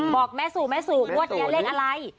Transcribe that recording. บอกแม่สู่แม่สู่งวดนี้เลขอะไร